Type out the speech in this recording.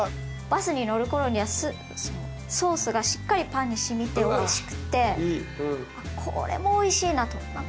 バスに乗る頃にはソースがしっかりパンに染みておいしくてこれもおいしいなと。